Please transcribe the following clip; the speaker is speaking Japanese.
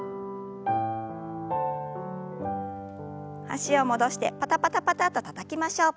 脚を戻してパタパタパタとたたきましょう。